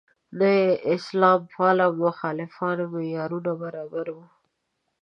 نه یې اسلام پاله مخالفان معیارونو برابر وو.